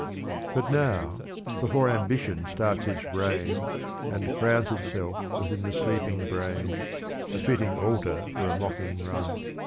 But now, before ambition starts its reign And crowns itself within the sleeping brain, A fitting altar for a mocking rite.